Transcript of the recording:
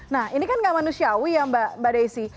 nah ini kan nggak manusiawi ya mbak desi